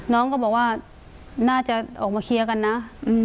น้องก็บอกว่าน่าจะออกมาเคลียร์กันนะ